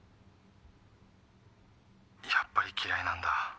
「やっぱり嫌いなんだ」